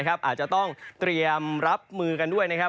อาจจะต้องเตรียมรับมือกันด้วยนะครับ